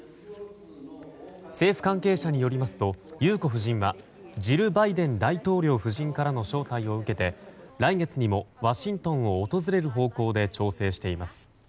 政府関係者によりますと裕子夫人はジル・バイデン大統領夫人からの招待を受けて来月にもワシントンを訪れる方向で調整しています。